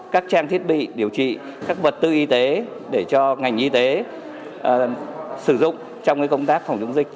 các trang thiết bị điều trị các vật tư y tế để cho ngành y tế sử dụng trong công tác phòng chống dịch